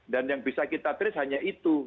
dan yang bisa kita trace hanya itu